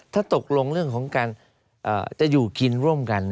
ถ้าตกลงเรื่องของการจะอยู่กินร่วมกัน